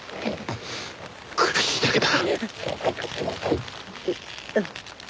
苦しいだけだ。